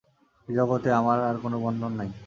এ জগতে আমার আর কোন বন্ধন নেই।